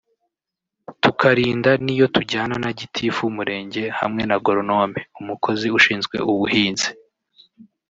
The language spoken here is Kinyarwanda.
tukarinda n’iyo tujyana na Gitifu w’Umurenge hamwe na goronome (umukozi ushinzwe ubuhinzi)